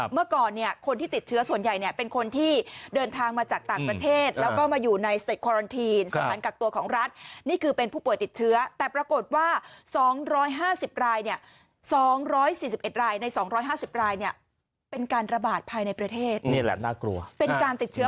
เมื่อก่อนเนี่ยคนที่ติดเชื้อส่วนใหญ่เนี่ยเป็นคนที่เดินทางมาจากต่างประเทศแล้วก็มาอยู่ในสเต็คอรันทีนสถานกักตัวของรัฐนี่คือเป็นผู้ป่วยติดเชื้อแต่ปรากฏว่า๒๕๐รายเนี่ย๒๔๑รายใน๒๕๐รายเนี่ยเป็นการระบาดภายในประเทศนี่แหละน่ากลัวเป็นการติดเชื้อ